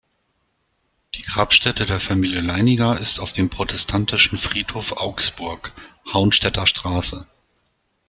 Die Grabstätte der Familie Leininger ist auf dem Protestantischen Friedhof Augsburg, Haunstetter Str.